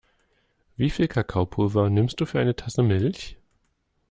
Wie viel Kakaopulver nimmst du für eine Tasse Milch?